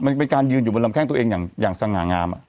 มันเป็นการยืนอยู่บนลำแข้งตัวเองอย่างสง่างาม